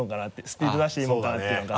スピード出していいもんかなっていうのが。